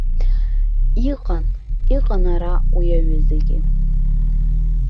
Иҟан, иҟан ара уи аҩызагь.